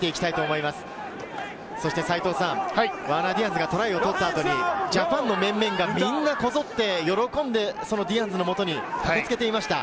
ワーナー・ディアンズがトライを取った後に、ジャパンの面々がこぞって喜んで、ディアンズの元に駆けつけていました。